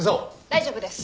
大丈夫です。